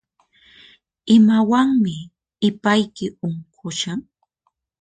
Imawanmi ipayki unqushan?